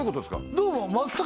どうも。